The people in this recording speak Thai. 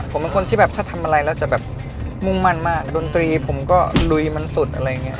ผมเป็นคนที่แบบถ้าทำอะไรแล้วจะแบบมุ่งมั่นมากดนตรีผมก็ลุยมันสุดอะไรอย่างนี้